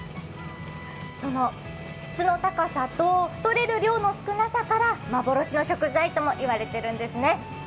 その質の高さととれる量の少なさから幻の食材ともいわれているんですね。